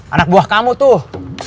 anak buah kamu tuh